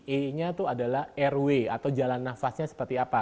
e nya itu adalah rw atau jalan nafasnya seperti apa